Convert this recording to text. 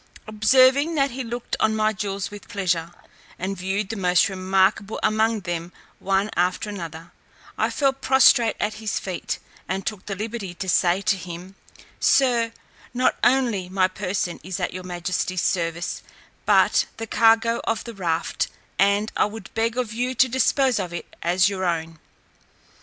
Observing that he looked on my jewels with pleasure, and viewed the most remarkable among them one after another, I fell prostrate at his feet, and took the liberty to say to him, "Sir, not only my person is at your majesty's service, but the cargo of the raft, and I would beg of you to dispose of it as your own."